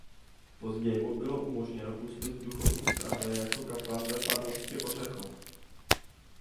Později mu bylo umožněno působit v duchovní správě jako kaplan ve farnosti Ořechov.